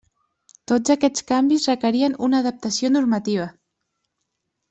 Tots aquests canvis requerien una adaptació normativa.